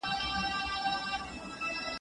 سترګو کې ډنډ ولاړ، خو نه رانه توییږي وطن